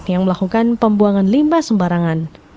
yang melakukan pembuangan limbah sembarangan